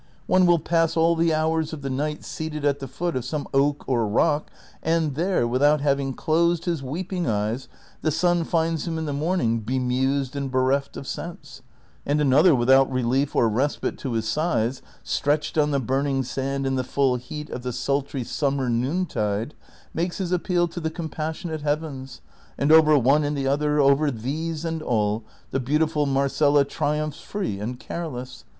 One will pass all the hours of the night seated at the foot of some oak or rock, and there, without having closed his weeping eyes, the sun finds him in the morning bemused and bereft of sense; and another without i elief or respite to his sighs, stretched on the burning sand in the full heat of the sultry summer noontide, makes his appeal to the compassionate heavens, and over one and the other, over these and all, the beautiful Marcela triumphs free and careless.